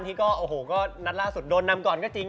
ที่ก็นัดล่าสุดโดนนำก่อนก็จริง